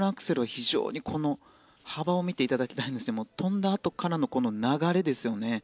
非常に、この幅を見ていただきたいんですが跳んだあとからのこの流れですよね。